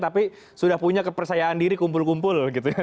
tapi sudah punya kepercayaan diri kumpul kumpul gitu ya